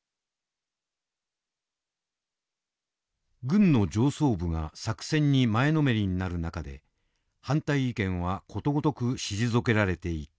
軍の上層部が作戦に前のめりになる中で反対意見はことごとく退けられていった。